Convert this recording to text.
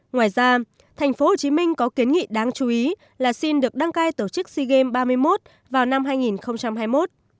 ngoài ra thành phố hồ chí minh có kiến nghị đáng chú ý là xin được đăng cai tổ chức sea games ba mươi một vào năm hai nghìn hai mươi một